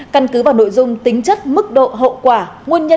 căn cứ vào nội dung tính chất mức độ hậu quả